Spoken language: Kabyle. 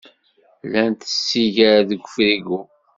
Llant tsigar deg ufrigu.